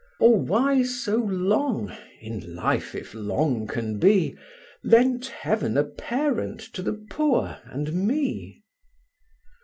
Or why so long (in life if long can be) Lent Heaven a parent to the poor and me?